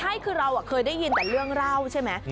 ใช่คือเราเคยได้ยินแต่เรื่องเล่าใช่ไหม